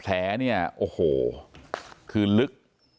แผลเนี่ยโอ้โหคือลึก